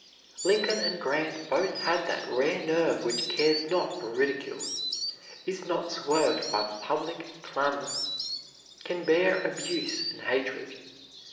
Lincoln and Grant both had that rare nerve which cares not for ridicule, is not swerved by public clamor, can bear abuse and hatred.